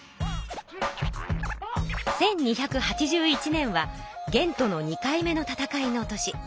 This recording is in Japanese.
１２８１年は元との２回目の戦いの年。